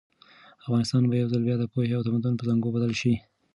افغانستان به یو ځل بیا د پوهې او تمدن په زانګو بدل شي.